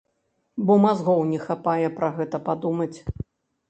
Бо мазгоў не хапае пра гэта падумаць!